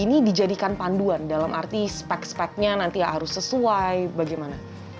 ini dijadikan panduan dalam arti spek speknya nanti harus sesuai bagaimana